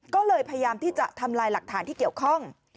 ก็เลยพยายามที่จะทำลายหลักฐานที่เกี่ยวข้อง